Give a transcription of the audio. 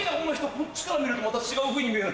こっちから見るとまた違うふうに見える。